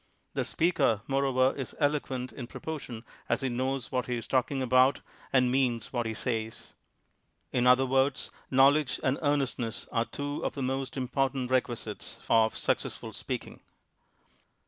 The speaker, moreover, is eloquent in proportion as he knows what he is talking about and means what he says. Id en Z UJ X H <<} O o U f INTRODUCTION other words, knowledge and earnestness are two of the most important requisites of successful speaking.